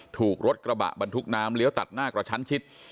ถูกรถกระบะบรรทุกน้ำเลี้ยวตัดหน้ากระชั้นชิด